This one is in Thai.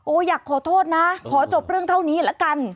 อยากขอโทษนะขอจบเรื่องเท่านี้ละกัน